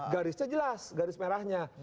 garisnya jelas garis merahnya